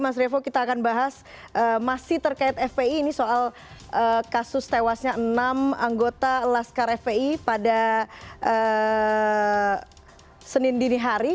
mas revo kita akan bahas masih terkait fpi ini soal kasus tewasnya enam anggota laskar fpi pada senin dinihari